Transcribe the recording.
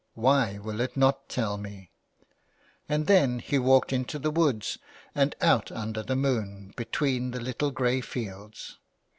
Why will it not tell me ?" And then he walked into the woods, and out under the moon, between the little grey fields.